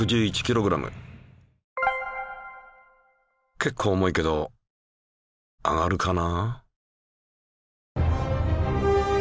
けっこう重いけど上がるかな？